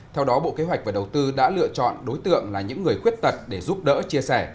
theo đó bộ kế hoạch và đầu tư đã lựa chọn đối tượng là những người khuyết tật để giúp đỡ chia sẻ